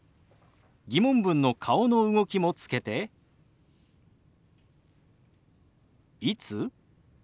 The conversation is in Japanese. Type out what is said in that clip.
疑問文の顔の動きもつけて「いつ？」。